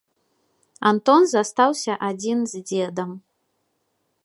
Антон застаўся адзін з дзедам.